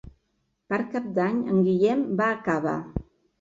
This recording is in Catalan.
Per Cap d'Any en Guillem va a Cava.